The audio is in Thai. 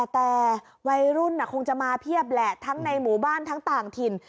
แต่วัยรุ่นคงจะมาเพียบแหละทั้งในหมู่บ้านทั้งต่างถิ่น